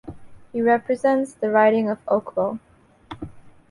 He represents the riding of Oakville.